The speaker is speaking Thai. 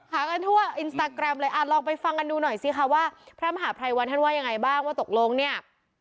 หากันทั่วอินสตาแกรมเลยอ่ะลองไปฟังกันดูหน่อยสิคะว่าพระมหาภัยวันท่านว่ายังไงบ้างว่าตกลงเนี่ย